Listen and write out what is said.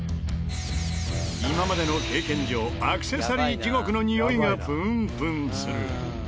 今までの経験上アクセサリー地獄のにおいがプンプンする。